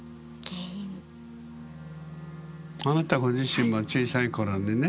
あなたご自身も小さい頃にね。